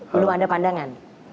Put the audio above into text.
belum ada pandangan